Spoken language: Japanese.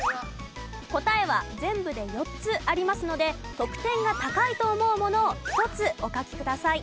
答えは全部で４つありますので得点が高いと思うものを１つお書きください。